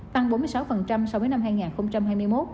tăng bốn mươi sáu so với năm hai nghìn hai mươi một